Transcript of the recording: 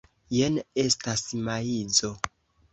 Jen estas maizo.